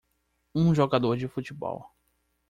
um jogador de futebol